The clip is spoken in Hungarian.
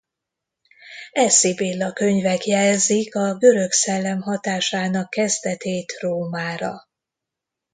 E Sibylla-könyvek jelzik a görög szellem hatásának kezdetét Rómára.